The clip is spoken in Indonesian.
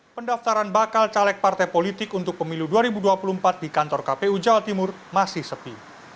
pendaftaran bakal caleg partai politik untuk pemilu dua ribu dua puluh empat di kantor kpu jawa timur masih sepi